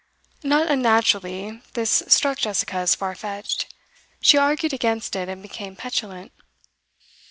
Not unnaturally this struck Jessica as far fetched. She argued against it, and became petulant.